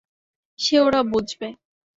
সে ওরা বুঝবে।